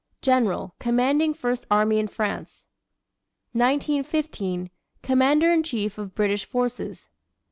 General, commanding First Army in France. 1915. Commander in chief of British forces.